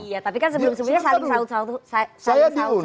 iya tapi kan sebelum sebelumnya saling sahur